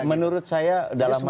menurut saya dalam hal ini